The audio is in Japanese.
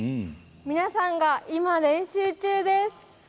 皆さんが、今練習中です。